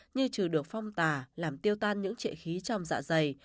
như trừ được phong tà làm tiêu tan những trệ khí trong dạ dày